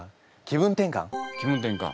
気分転換。